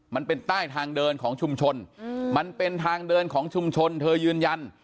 มันเป็นใต้ทางเดินของชุมชนมันเป็นทางเดินของชุมชนเธอยืนยัน